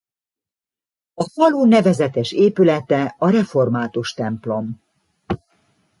A falu nevezetes épülete a református templom.